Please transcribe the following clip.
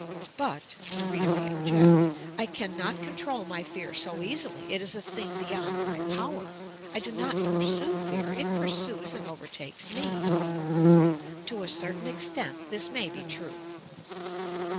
But, the reader, may object, "I cannot control my fear so easily, it is a thing beyond my power, I do not pursue fear, it pursues and overtakes me." To a certain extent, this may be true.